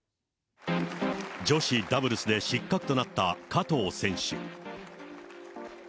女子ダブルスで失格となった加藤選手。